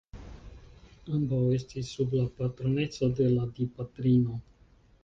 Ambaŭ estis sub la patroneco de la Dipatrino.